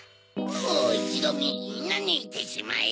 もういちどみんなねてしまえ！